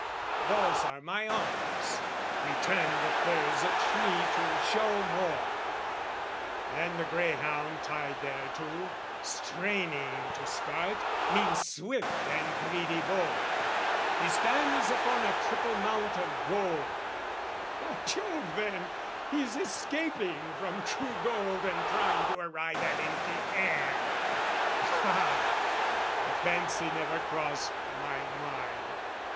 Those are my arms: we turned the furze a tree To show more, and the greyhound tied thereto, Straining to start, means swift and greedy both; He stands upon a triple mount of gold By Jove, then, he's escaping from true gold And trying to arrive at empty air! Aha! the fancy never crossed my mind!